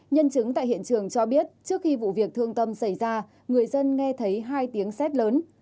nhân chứng tại hiện trường cho biết trước khi vụ việc thương tâm xảy ra người dân nghe thấy hai tiếng xếp lớn